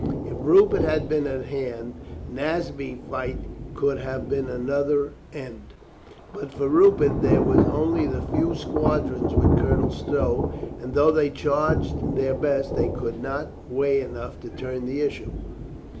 If Rupert had been at hand, Naseby fight could have had another end. But for Rupert, there were only the few squadrons with Colonel Stow, and though they charged their best, they were not weight enough to turn the issue.